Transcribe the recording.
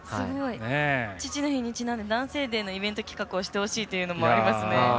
父の日にちなんで男性デーのイベント企画をしてほしいというメッセージもありますね。